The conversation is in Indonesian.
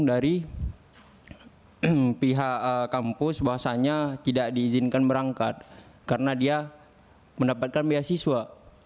dari pihak kampus bahwasannya tidak diizinkan berangkat karena dia mendapatkan beasiswa